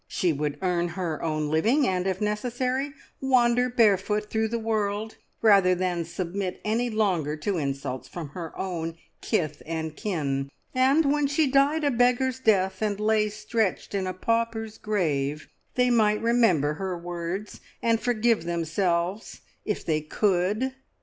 She would earn her own living, and if necessary, wander barefoot through the world, rather than submit any longer to insults from her own kith and kin, and when she died a beggar's death, and lay stretched in a pauper's grave, they might remember her words, and forgive themselves if they could!